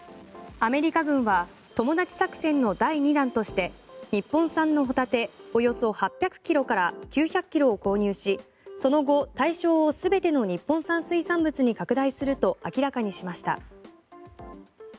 アメリカ軍はトモダチ作戦の第２弾として日本産のホタテおよそ８００ｋｇから９００ｋｇを購入しその後、対象を全ての日本産水産物に拡大すると明らかにしました。